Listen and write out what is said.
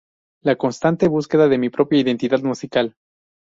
La constante búsqueda de mi propia identidad musical.